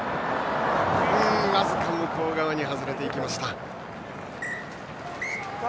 僅か向こう側に外れていきました。